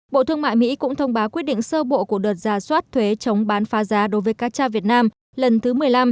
bộ thương mại mỹ cũng thông báo quyết định sơ bộ của đợt ra soát thuế chống bán phá giá đối với cá tra việt nam lần thứ một mươi năm